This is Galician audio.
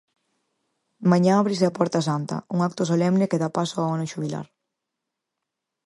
Mañá ábrese a Porta Santa, un acto solemne que dá paso ao Ano Xubilar.